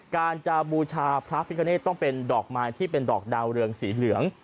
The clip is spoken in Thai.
การจะบูชาพระพิคเนตต้องเป็นดอกไม้ที่เป็นดอกดาวเรืองสีเหลือง